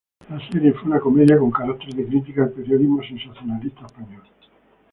La serie fue una comedia con carácter de crítica al periodismo sensacionalista español.